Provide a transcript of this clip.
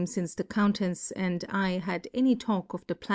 fince the Countefs and I had %W^^i any Talk of the Ha?